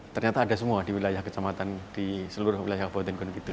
ternyata ada semua di wilayah kecamatan di seluruh wilayah kabupaten gunung kidul